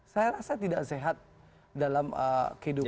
saya rasa tidak sehat dalam kehidupan